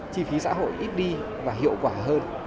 chi phí xã hội ít đi và hiệu quả hơn